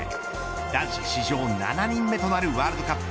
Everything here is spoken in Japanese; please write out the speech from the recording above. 男子史上７人目となるワールドカップ